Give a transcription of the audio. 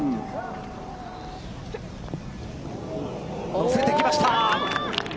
のせてきました。